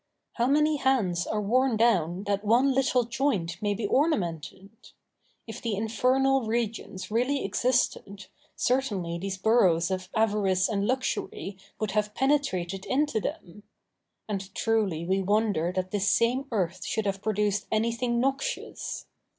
How many hands are worn down that one little joint may be ornamented! If the infernal regions really existed, certainly these burrows of avarice and luxury would have penetrated into them. And truly we wonder that this same earth should have produced anything noxious!